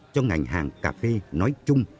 cho ngành hàng cà phê nói chung